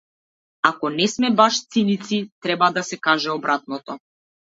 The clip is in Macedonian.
Ако не сме баш циници, треба да се каже обратното.